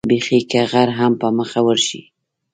بېخي که غر هم په مخه ورشي.